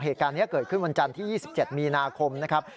เหตุการณ์นี้เกิดขึ้นวันจันทร์ที่๒๗มีนาคมนะครับ